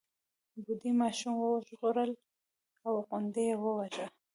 بوډۍ ماشوم وژغورلو او غونډل يې وواژه.